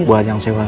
buat yang sewa